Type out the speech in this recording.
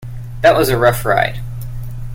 That was a rough ride.